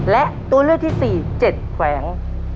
และตัวเลือกที่๔๗แขวง